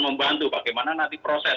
membantu bagaimana nanti proses